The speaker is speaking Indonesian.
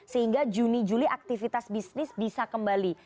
sehingga juni juli aktivitas bisnis bisa kembali